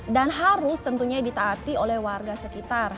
dan harus tentunya ditaati oleh warga sekitar